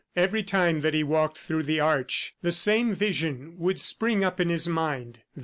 Every time that he walked through the Arch, the same vision would spring up in his mind.